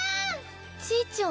ちぃちゃん。